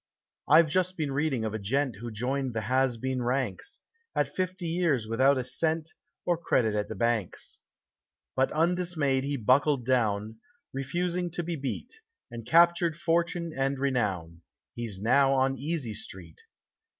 I've just been reading of a gent who joined the has been ranks, at fifty years without a cent, or credit at the banks. But undismayed he buckled down, refusing to be beat, and captured fortune and renown; he's now on Easy Street.